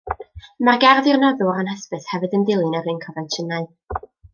Y mae'r gerdd i'r noddwr anhysbys hefyd yn dilyn yr un confensiynau.